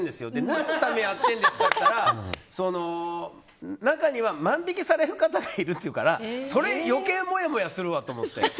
何のためにやってるんですかと聞いたら中には万引きされる方がいるというからそれ余計もやもやするわと思って。